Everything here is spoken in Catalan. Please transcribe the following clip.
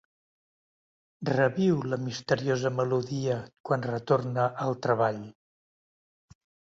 “Reviu la misteriosa melodia quan retorna al treball.